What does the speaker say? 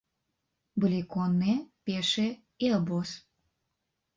Былі конныя, пешыя і абоз.